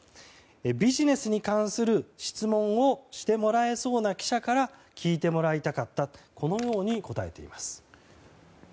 ビジネスに関する質問をしてもらえそうな記者から聞いてもらいたかったとこのように答えています。